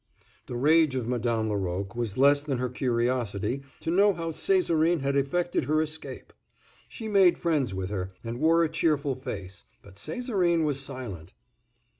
The rage of Madame Laroque was less than her curiosity to know how Césarine had effected her escape. She made friends with her, and wore a cheerful face, but Césarine was silent.